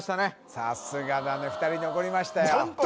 さすがだね２人残りましたよ